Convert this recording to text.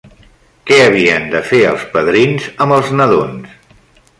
Què havien de fer els padrins amb els nadons?